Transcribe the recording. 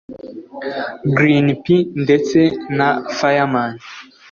Green P ndetse na Fireman